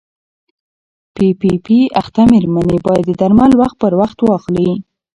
پي پي پي اخته مېرمنې باید درمل وخت پر وخت واخلي.